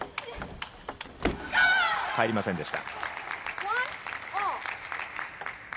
返りませんでした。